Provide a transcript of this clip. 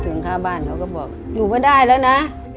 เงินค่าบ้านเขาก็บอกอยู่ไม่ได้แล้วนะ